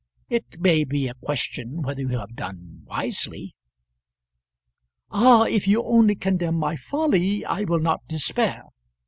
It may be a question whether you have done wisely." "Ah! if you only condemn my folly, I will not despair.